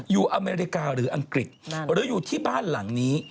อเมริกาหรืออังกฤษหรืออยู่ที่บ้านหลังนี้